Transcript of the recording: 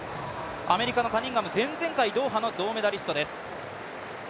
アメリカのカニンガム、前々回ドーハの銅メダリストです。